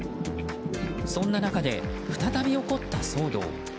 そんな中で再び起こった騒動。